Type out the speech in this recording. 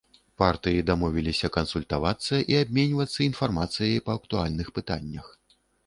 Партыі дамовіліся кансультавацца і абменьвацца інфармацыяй па актуальных пытаннях.